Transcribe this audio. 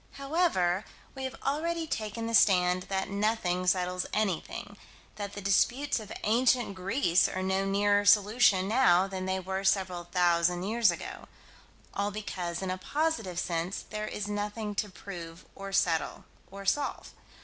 However, we have already taken the stand that nothing settles anything; that the disputes of ancient Greece are no nearer solution now than they were several thousand years ago all because, in a positive sense, there is nothing to prove or solve or settle.